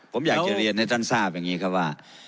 ผมอยากจะเรียนให้ท่านทราบอย่างนี้ครับว่า